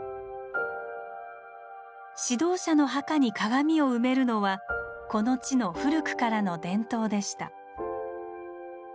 指導者の墓に鏡を埋めるのはこの地の古くからの伝統でした。